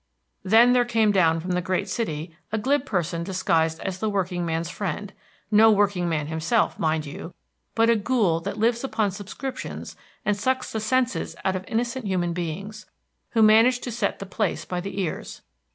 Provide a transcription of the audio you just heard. Then there came down from the great city a glib person disguised as The Workingman's Friend, no workingman himself, mind you, but a ghoul that lives upon subscriptions and sucks the senses out of innocent human beings, who managed to set the place by the ears.